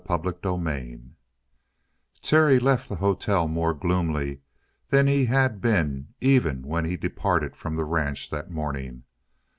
CHAPTER 21 Terry left the hotel more gloomy than he had been even when he departed from the ranch that morning.